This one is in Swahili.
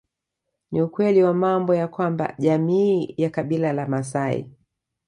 Ni ukweli wa mambo ya kwamba jamii ya kabila la maasai